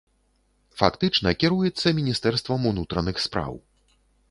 Фактычна кіруецца міністэрствам унутраных спраў.